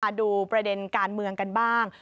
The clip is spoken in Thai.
ดูประเด็นการเมืองกันบ้าง